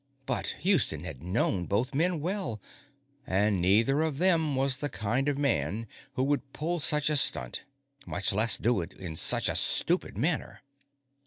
But Houston had known both men well, and neither of them was the kind of man who would pull such a stunt, much less do it in such a stupid manner.